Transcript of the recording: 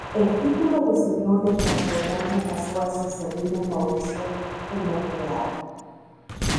El título de señor de Transjordania pasó a su sobrino Mauricio de Montreal.